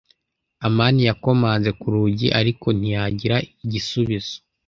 amani yakomanze ku rugi, ariko ntiyagira igisubizo.